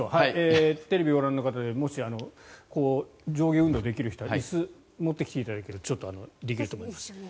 テレビをご覧の方で上下運動できる方は椅子を持ってきていただくとちょっとできると思いますので。